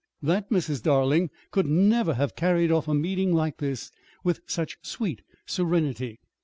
That Mrs. Darling could never have carried off a meeting like this with such sweet serenity.